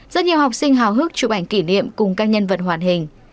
rất nhiều học sinh hào hức chụp ảnh kỷ niệm cùng các nhân vật hoàn hình